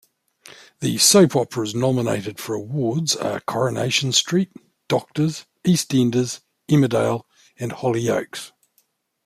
The soap operas nominated for awards are "Coronation Street", "Doctors", "EastEnders", "Emmerdale" and "Hollyoaks".